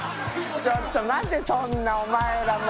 ちょっと待てそんなお前らも。